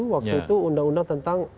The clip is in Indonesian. waktu itu undang undang tentang